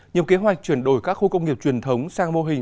nhằm kế hoạch chuyển đổi các khu công nghiệp truyền thống sang mô hình